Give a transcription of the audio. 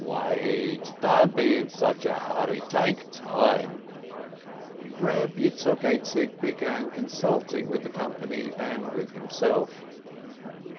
"Wait ! Don't be in such a hurry, take time !" Eeb Yitzchok Aizik began consulting with the com pany and with himself.